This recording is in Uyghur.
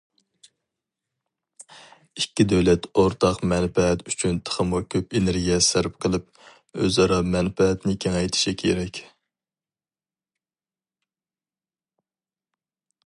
ئىككى دۆلەت ئورتاق مەنپەئەت ئۈچۈن تېخىمۇ كۆپ ئېنېرگىيە سەرپ قىلىپ، ئۆزئارا مەنپەئەتنى كېڭەيتىشى كېرەك.